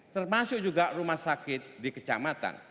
termasuk juga rumah sakit di kecamatan